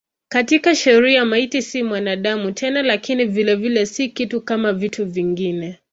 Katika sheria maiti si mwanadamu tena lakini vilevile si kitu kama vitu vingine.